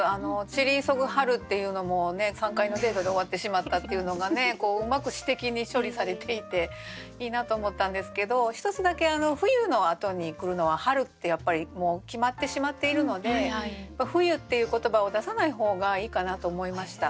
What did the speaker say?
「散り急ぐ春」っていうのも３回のデートで終わってしまったっていうのがねうまく詩的に処理されていていいなと思ったんですけど１つだけ「冬」のあとに来るのは「春」ってやっぱりもう決まってしまっているので「冬」っていう言葉を出さない方がいいかなと思いました。